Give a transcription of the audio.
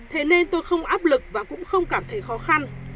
thế nên tôi không áp lực và cũng không cảm thấy khó khăn